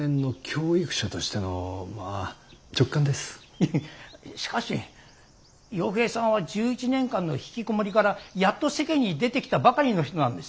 いやしかし陽平さんは１１年間のひきこもりからやっと世間に出てきたばかりの人なんです。